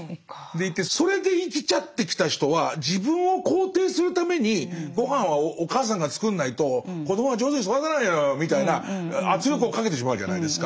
でいてそれで生きちゃってきた人は自分を肯定するためにごはんはお母さんが作んないと子どもは上手に育たないのよみたいな圧力をかけてしまうじゃないですか。